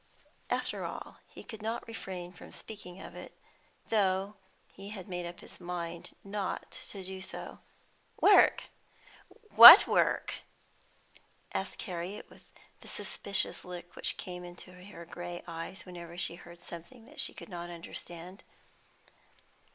After all, he could not refrain from speaking of it, though he had made up his mind not to do so. "Work? What work?" asked Harriet, with the suspicious look which came into her grey eyes whenever she heard something she could not understand.